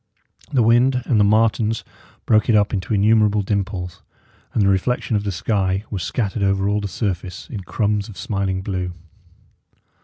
The wind and the martens broke it up into innumerable dimples; and the reflection of the sky was scattered over all the surface in crumbs of smiling blue.